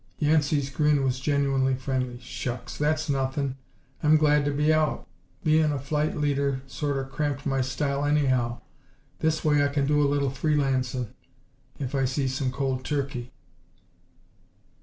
Yancey's grin was genuinely friendly. "Shucks, that's nothin'. I'm glad to be out. Bein' a flight leader sorter cramped my style anyhow. This way I can do a little free lancin' if I see some cold turkey."